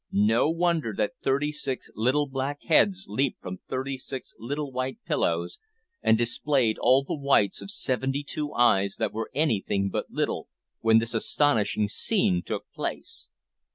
No wonder that thirty six little black heads leaped from thirty six little white pillows, and displayed all the whites of seventy two eyes that were anything but little, when this astonishing scene took place!